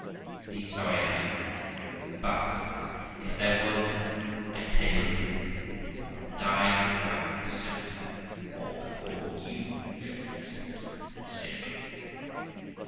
'Indeed, so I am, Amy ; but', said I, 'if there was, I tell you again, I'd die before I would consent, or before you should consent for my sake.'.